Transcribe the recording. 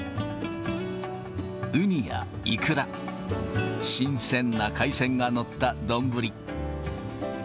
ウニやイクラ、新鮮な海鮮が載った丼。